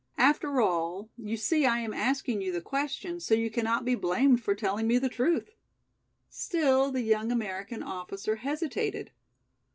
After all, you see I am asking you the question, so you cannot be blamed for telling me the truth." Still the young American officer hesitated.